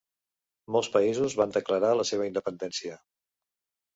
Molts països van declarar la seva independència.